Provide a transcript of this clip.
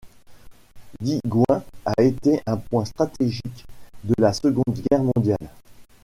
Digoin a été un point stratégique de la Seconde Guerre mondiale.